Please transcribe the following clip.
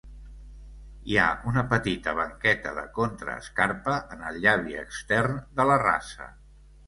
Hi ha una petita banqueta de contraescarpa en el llavi extern de la rasa.